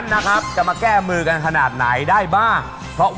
หนูจะไม่ใส่พ่อไปออกรายการอีกเด็กครับ